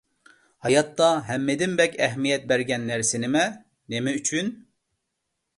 ھاياتتا ھەممىدىن بەك ئەھمىيەت بەرگەن نەرسە نېمە؟ نېمە ئۈچۈن؟